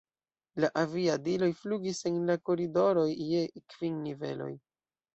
La aviadiloj flugis en la koridoroj je kvin niveloj.